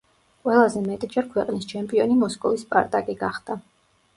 ყველაზე მეტჯერ ქვეყნის ჩემპიონი მოსკოვის „სპარტაკი“ გახდა.